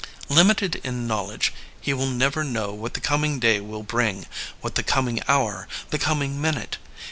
Limited in knowledge, he will never know what the coming day will bring. 24 LEONID ANDREYEV what the coming hour, the coming minute.